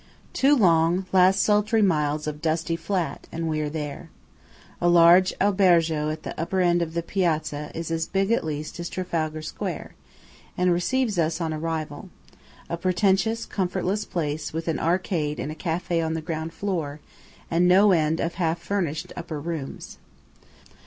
Two long, last sultry miles of dusty flat, and we are there. A large albergo at the upper end of a piazza as big at least as Trafalgar Square, receives us on arrival–a pretentious, comfortless place, with an arcade and a café on the ground floor, and no end of half furnished upper rooms.